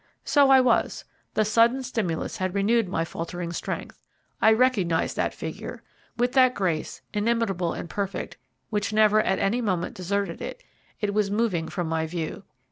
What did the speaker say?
So I was: the sudden stimulus had renewed my faltering strength. I recognised that figure. With that grace, inimitable and perfect, which never at any moment deserted it, it was moving from my view.